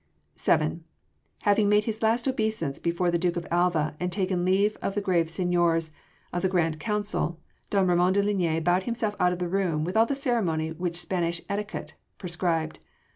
VII Having made his last obeisance before the Duke of Alva and taken leave of the grave seigniors of the Grand Council, don Ramon de Linea bowed himself out of the room with all the ceremony which Spanish etiquette prescribed.